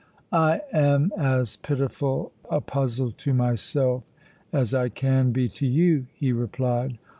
"I am as pitiful a puzzle to myself as I can be to you," he replied.